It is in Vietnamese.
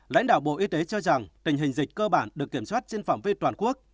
lãnh đạo bộ y tế cho rằng tình hình dịch cơ bản được kiểm soát trên phạm vi toàn quốc